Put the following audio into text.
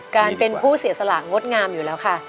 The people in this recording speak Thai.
การเป็นผู้เสียสละงดงามอยู่แล้วค่ะ